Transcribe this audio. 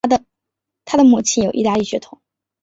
他的母亲则有意大利血统。